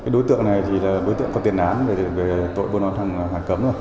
đối tượng này là đối tượng có tiền án về tội buôn bán hàng hoàn cấm